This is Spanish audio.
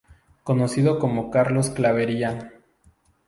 Conocido como Carlos Clavería.